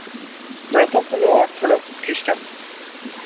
প্রথম হলো অর্থোডক্স খ্রিষ্টান।